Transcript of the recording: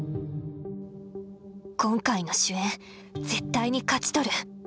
今回の主演絶対に勝ち取る。